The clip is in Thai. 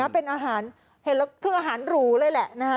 เป็นอาหารคืออาหารหรูเลยแหละ